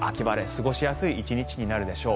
過ごしやすい１日になるでしょう。